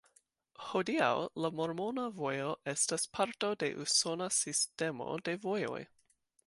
Hodiaŭ la Mormona Vojo estas parto de usona sistemo de vojoj.